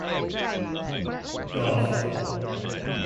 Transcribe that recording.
Gov.